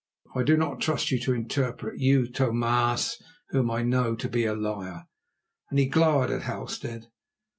I do not trust you to interpret, you Tho maas, whom I know to be a liar," and he glowered at Halstead.